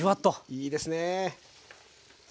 いいですね。